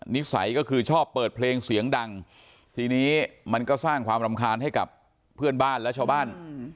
นิสัยก็คือชอบเปิดเพลงเสียงดังทีนี้มันก็สร้างความรำคาญให้กับเพื่อนบ้านและชาวบ้าน